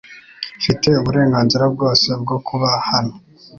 Mfite uburenganzira bwose bwo kuba hano .